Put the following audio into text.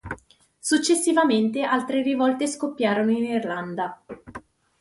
Successivamente altre rivolte scoppiarono in Irlanda.